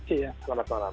iya selamat malam pak